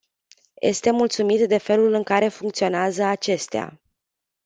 Este mulțumit de felul în care funcționează acestea.